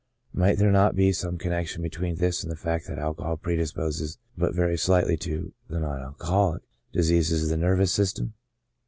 Might there not be some connection between this and the fact that alcohol predisposes but very slightly to (the non alcoholic) diseases of the nervous system?